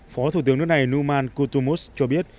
phó thủ tướng nước này numan kutumus cho biết